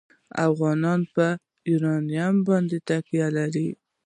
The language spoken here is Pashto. افغانستان په یورانیم باندې تکیه لري.